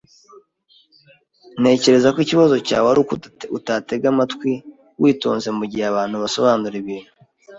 Ntekereza ko ikibazo cyawe ari uko utatega amatwi witonze mugihe abantu basobanura ibintu.